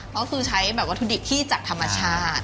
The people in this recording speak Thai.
เขาคือใช้วัตถุดิกที่จากธรรมชาติ